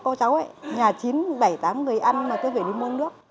cô cháu ấy nhà chín bảy tám người ăn mà tôi phải đi mua nước